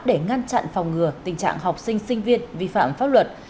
để ngăn chặn phòng ngừa tình trạng học sinh sinh viên vi phạm pháp luật